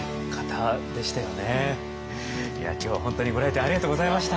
いや今日は本当にご来店ありがとうございました。